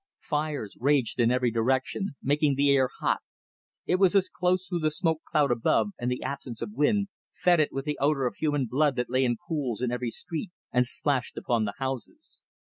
Fires raged in every direction, making the air hot; it was close through the smoke cloud above and the absence of wind, foetid with the odour of human blood that lay in pools in every street and splashed upon the houses.